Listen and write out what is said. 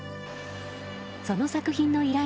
その作品の依頼